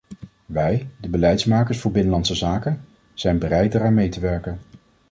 Wij, de beleidsmakers voor binnenlandse zaken, zijn bereid daaraan mee te werken.